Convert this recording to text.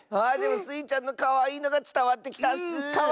あでもスイちゃんのかわいいのがつたわってきたッス！